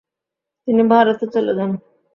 তিনি ভারতে চলে যান।